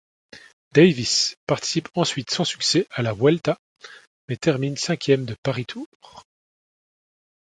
Davis participe ensuite sans succès à la Vuelta, mais termine cinquième de Paris-Tours.